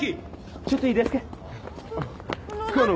ちょっといいですか？のだめも。